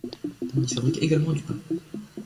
On y fabrique également du pain.